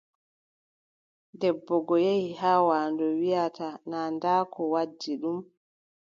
Debbo goo yehi haa waandu, wiʼata naa ndaa ko waddi ɗum.